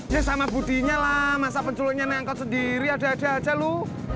ya sama budinya lah masa penculiknya naik angkot sendiri ada ada aja lu